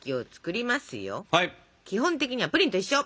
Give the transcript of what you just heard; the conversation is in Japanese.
基本的にはプリンと一緒。